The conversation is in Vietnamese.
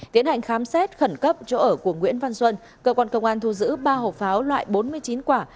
tiến hành khám xét khẩn cấp chỗ ở của nguyễn văn xuân cơ quan công an thu giữ ba hộp pháo loại bốn mươi chín quả